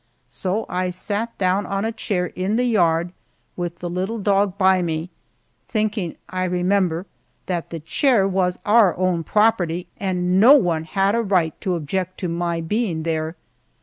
So I sat down on a chair in the yard with the little dog by me, thinking, I remember, that the chair was our own property and no one had a right to object to my being there.